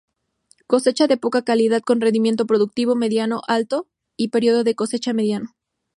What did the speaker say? Cosecha de poca calidad con rendimiento productivo mediano-alto y periodo de cosecha mediano.